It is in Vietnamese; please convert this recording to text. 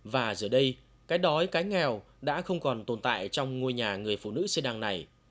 và giờ đây cái đói cái nghèo đã không còn tồn tại trong ngôi nhà người phụ nữ xê đăng này